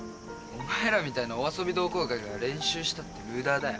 お前らみたいなお遊び同好会が練習したって無駄だよ。